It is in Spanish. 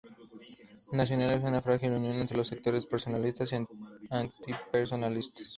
Nacional, en una frágil unión entre los sectores personalistas y antipersonalistas.